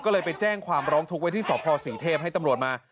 ก็เลยไปแจ้งความร้องทุกข์ไว้ที่สพศรีเทพให้ตำรวจมา